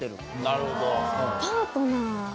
なるほど。